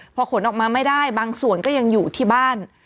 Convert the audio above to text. พอขนออกมาไม่ได้บางส่วนก็ยังอยู่ที่บ้าน